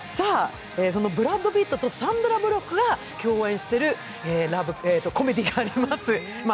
そのブラッド・ピットとサンドラ・ブロックが共演しているラブコメディーがあります。